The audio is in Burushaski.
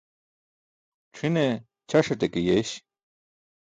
C̣ʰine ćʰasaṭe ke yeeś.